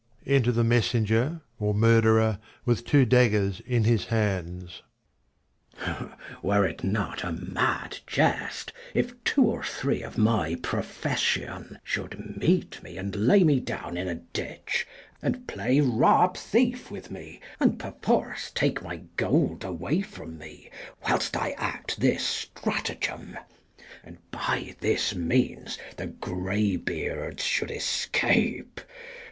Enter the Messenger, or murderer, 'with two daggers in his hands. Mess. Were it not a mad jest, if two or three of my pro fession should meet me, and lay me down in a ditch, and play rob thief with me, and perforce take my gold away from me, whilst I act this stratagem, and by this means the grey beards should escape